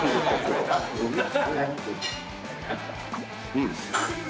うん！